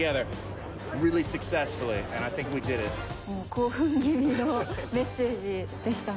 興奮気味のメッセージでしたね。